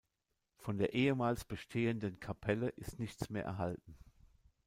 Von der ehemals bestehenden Kapelle ist nichts mehr erhalten.